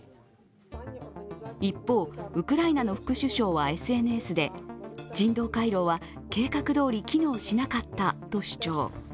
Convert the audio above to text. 一方、ウクライナの副首相はＳＮＳで人道回廊は計画どおり機能しなかったと主張。